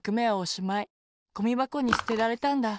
ゴミばこにすてられたんだ。